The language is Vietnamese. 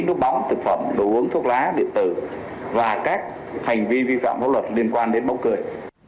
đốt bóng thực phẩm đồ uống thuốc lá điện tử và các hành vi vi phạm pháp luật liên quan đến bóng cười